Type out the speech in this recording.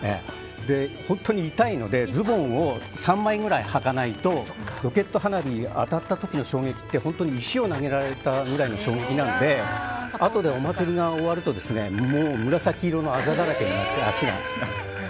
本当に痛いのでズボンを３枚ぐらいはかないとロケット花火が当たった時の衝撃って本当に石を投げられたぐらいの衝撃なのであとでお祭りが終わると紫色のあざだらけに、足が。